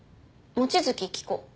望月希子。